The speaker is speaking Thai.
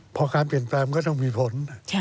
พอการเปลี่ยนแปลงก็ต้องมีผล